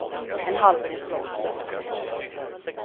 En halv meter lång ungefär.